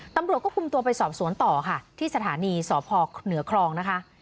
ตำรวจก็คุมตัวไปสอบสวนต่อค่ะที่สถานีสพเหนือครองนะคะ